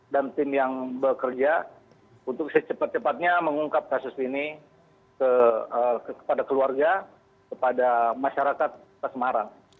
dan tim yang bekerja untuk secepat cepatnya mengungkap kasus ini kepada keluarga kepada masyarakat pasemaran